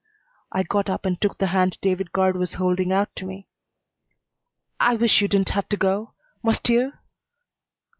I got up and took the hand David Guard was holding out to me. "I wish you didn't have to go. Must you?"